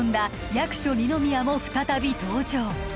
役所二宮も再び登場